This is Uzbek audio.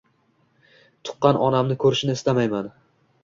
Tuqqan onamni ko‘rishni istayman.